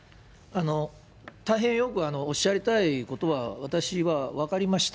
大変よくおっしゃりたいことは、私は分かりました。